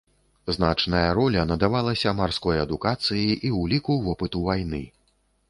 Значная роля надавалася марской адукацыі і ўліку вопыту вайны.